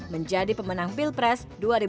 menjadi pemenang pilpres dua ribu sembilan